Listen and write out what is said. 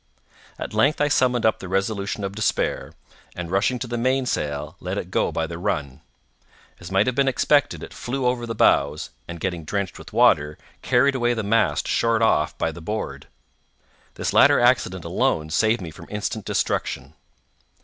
At length I summoned up the resolution of despair, and rushing to the mainsail let it go by the run. As might have been expected, it flew over the bows, and, getting drenched with water, carried away the mast short off by the board. This latter accident alone saved me from instant destruction.